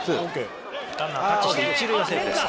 ランナータッチして一塁はセーフです。